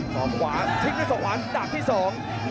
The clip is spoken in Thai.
ทิ้งด้านส่วนขวาดาบที่สอง